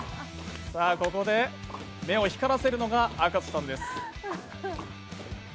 ここで目を光らせるのが赤楚さんです。